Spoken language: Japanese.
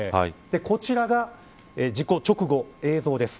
こちらが、事故直後の映像です。